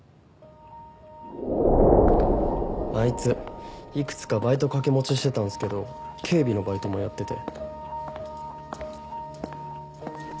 あいついくつかバイト掛け持ちしてたんすけど警備のバイトもやってて。